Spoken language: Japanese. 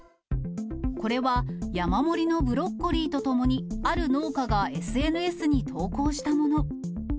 これは山盛りのブロッコリーとともに、ある農家がＳＮＳに投稿したもの。